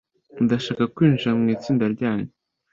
ndashaka kwinjira mu itsinda ryanyu